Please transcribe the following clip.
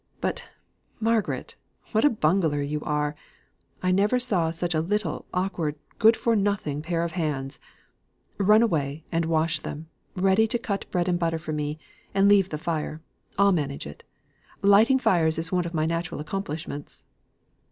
But, Margaret, what a bungler you are! I never saw such a little awkward, good for nothing pair of hands. Run away, and wash them, ready to cut bread and butter for me, and leave the fire. I'll manage it. Lighting fires is one of my natural accomplishments."